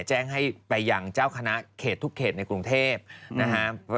แจ้งให้ไปยังเจ้าขณะเข็ดทุกเข็ดในกรุงเทพ